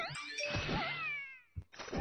No se han reportado erupciones recientes.